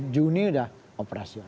juni sudah operasional